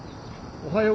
おはよう。